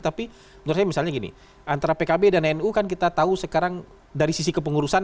tapi menurut saya misalnya gini antara pkb dan nu kan kita tahu sekarang dari sisi kepengurusan